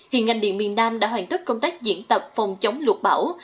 hiện ngành điện miền nam đã hoàn tất công tác diễn tập phòng chống lục bão